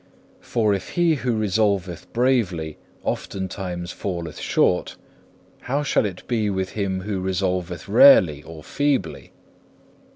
For if he who resolveth bravely oftentimes falleth short, how shall it be with him who resolveth rarely or feebly?